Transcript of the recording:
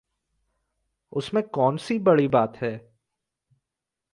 उस में कौनसी बड़ी बात है?